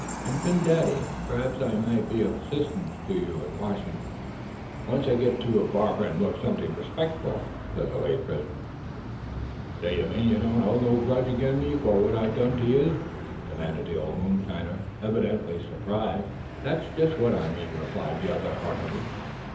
"And Phin Dady, perhaps I might be of assistance to you down at Washington, once I get to a barber, and look something respectable," said the late prisoner. "D'ye mean thet ye don't hold no grudge agin me foh what I done tuh ye?" demanded the old moonshiner, evidently surprised. "That's just what I mean," replied the other, heartily.